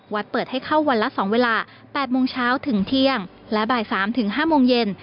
เปิดให้เข้าวันละ๒เวลา๘โมงเช้าถึงเที่ยงและบ่าย๓๕โมงเย็น